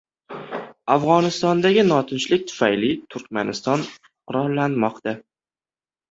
Afg‘onistondagi notinchlik tufayli Turkmaniston qurollanmoqda